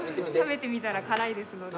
食べてみたら辛いですので。